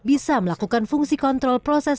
bisa melakukan fungsi kontrol proses